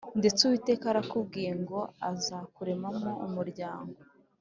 Ndetse Uwiteka arakubwiye ngo azakuremamo umuryango.